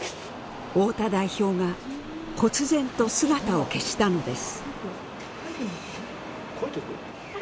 太田代表がこつぜんと姿を消したのです。